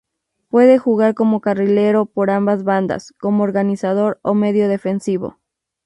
Puede jugar como carrilero por ambas bandas, como organizador o medio defensivo.